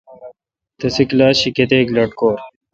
تسے°کلاس شی کتیک لٹکور۔